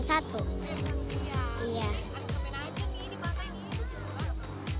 di pantai ini itu sih semalam